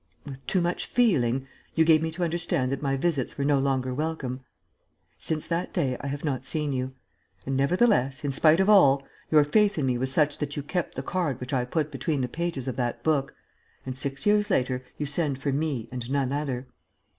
with too much feeling, you gave me to understand that my visits were no longer welcome. Since that day I have not seen you. And, nevertheless, in spite of all, your faith in me was such that you kept the card which I put between the pages of that book and, six years later, you send for me and none other.